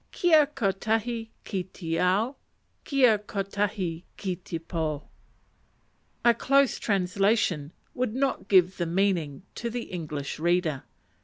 Kia kotahi ki te ao! Kia kotahi ki te po! A close translation would not give the meaning to the English reader.